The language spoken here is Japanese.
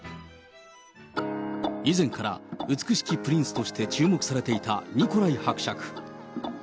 以前から美しきプリンスとして注目されていたニコライ伯爵。